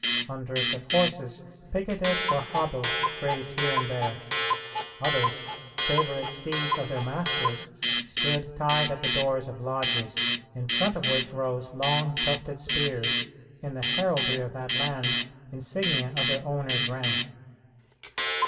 Hundreds of horses, picketed or hobbled, grazed here and there. Others, favorite steeds of their masters, stood tied at the doors of lodges, in front of which rose long, tufted spears, in the heraldry of that land insignia of their owner's rank.